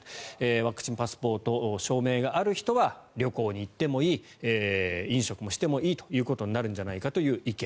ワクチンパスポート証明がある人は旅行に行ってもいい飲食もしてもいいということになるんじゃないかという意見。